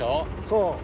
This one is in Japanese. そう。